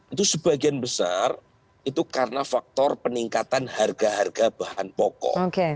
itu sebagian besar itu karena faktor peningkatan harga harga bahan pokok